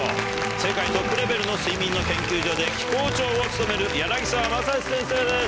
世界トップレベルの睡眠の研究所で機構長を務める柳沢正史先生です。